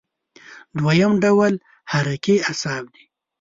دویم ډول حرکي اعصاب دي.